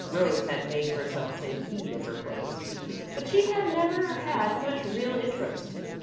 Rose had made herself take heed of her clothes, but she had never had much real interest.